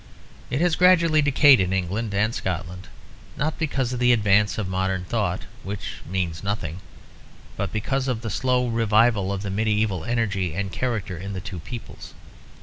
It has gradually decayed in England and Scotland, not because of the advance of modern thought (which means nothing), but because of the slow revival of the mediæval energy and character in the two peoples.